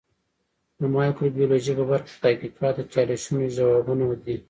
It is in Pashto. د مایکروبیولوژي په برخه کې تحقیقات د چالشونو ځوابونه دي.